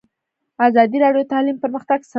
ازادي راډیو د تعلیم پرمختګ سنجولی.